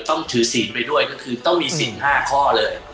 ต้องถือศีลไปด้วยก็คือต้องมี๔๕ข้อเลย